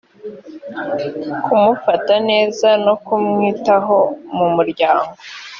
kumufata neza no kumwitaho mu muryango